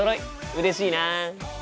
うれしいな。